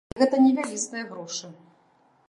І гэта не вялізныя грошы!